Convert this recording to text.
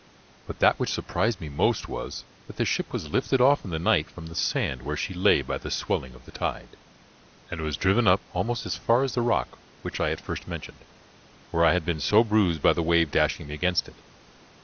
But that which surprised me most was, that the ship was lifted off in the night from the sand where she lay by the swelling of the tide, and was driven up almost as far as the rock which I at first mentioned, where I had been so bruised by the wave dashing me against it.